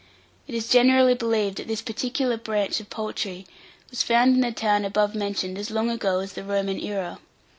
It is generally believed that this particular branch of poultry was found in the town above mentioned as long ago as the Roman era.